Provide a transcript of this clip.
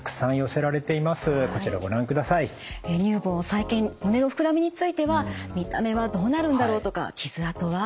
再建胸の膨らみについては「見た目はどうなるんだろう？」とか「傷痕は？」